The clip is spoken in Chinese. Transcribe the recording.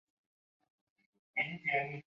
见说文。